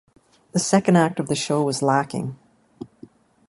The second act of the show was lacking.